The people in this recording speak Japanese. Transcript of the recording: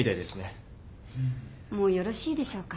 もうよろしいでしょうか？